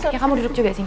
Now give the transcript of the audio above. ya kamu duduk juga sini